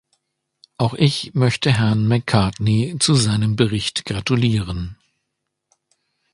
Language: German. Auch ich möchte Herrn Macartney zu seinem Bericht gratulieren.